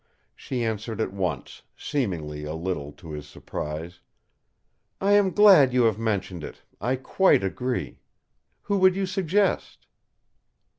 She answered at once, seemingly a little to his surprise: "I am glad you have mentioned it. I quite agree. Who would you suggest?"